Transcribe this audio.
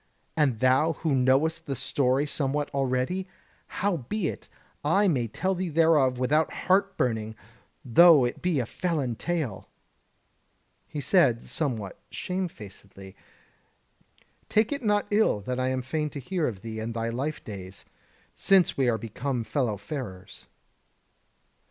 And thou who knowest the story somewhat already? Howbeit, I may tell thee thereof without heart burning, though it be a felon tale." He said, somewhat shame facedly: "Take it not ill that I am fain to hear of thee and thy life days, since we are become fellow farers."